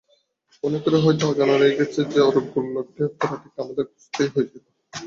অনেকেরই হয়তো অজানা রয়ে গেছে যে, আরোগ্যের লক্ষ্যে ফোঁড়াটিকে আমাদের খোঁচাতেই হয়েছিল।